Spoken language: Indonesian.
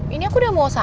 ini aku udah mau sampe